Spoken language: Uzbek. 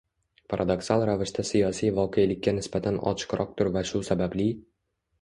paradoksal ravishda siyosiy voqelikka nisbatan ochiqroqdir va shu sababli